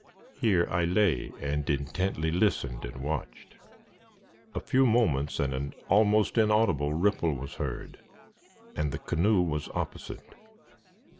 Here I lay, and intently listened and watched. A few moments and an almost inaudible ripple was heard, and the canoe was opposite.